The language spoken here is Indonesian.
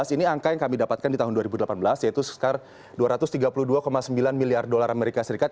ini angka yang kami dapatkan di tahun dua ribu delapan belas yaitu sekitar dua ratus tiga puluh dua sembilan miliar dolar amerika serikat